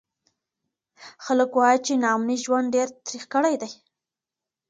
خلک وایي چې ناامني ژوند ډېر تریخ کړی دی.